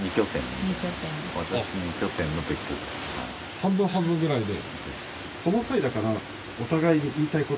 半分半分くらいで。え？